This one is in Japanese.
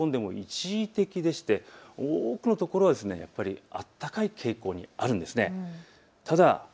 寒気が流れ込んでも一時的でして多くのところは暖かい傾向にあるんです。